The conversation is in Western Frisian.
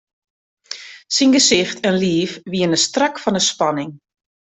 Syn gesicht en liif wiene strak fan 'e spanning.